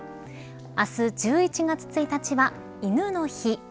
明日１１月１日は犬の日。